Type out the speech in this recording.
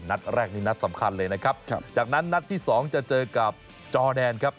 นัดแรกนี่นัดสำคัญเลยนะครับจากนั้นนัดที่สองจะเจอกับจอแดนครับ